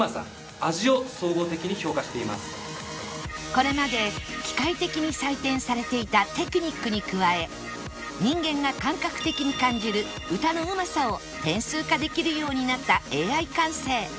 これまで機械的に採点されていたテクニックに加え人間が感覚的に感じる歌のうまさを点数化できるようになった Ａｉ 感性